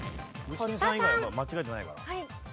具志堅さん以外は間違えてないから。